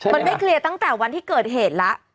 มันไม่เคลียร์ตั้งแต่วันที่เกิดเหตุแล้ว